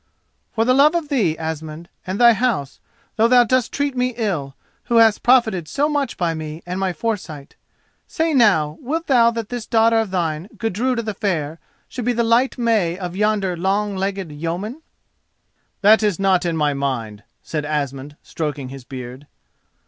"For love of thee, Asmund, and thy house, though thou dost treat me ill, who hast profited so much by me and my foresight. Say now: wilt thou that this daughter of thine, Gudruda the Fair, should be the light May of yonder long legged yeoman?" "That is not in my mind," said Asmund, stroking his beard.